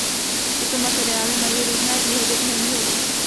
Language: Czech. Tyto materiály mají různé výhody i nevýhody.